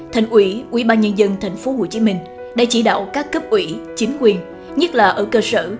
thành ủy quỹ ban nhân dân thành phố hồ chí minh đã chỉ đạo các cấp ủy chính quyền nhất là ở cơ sở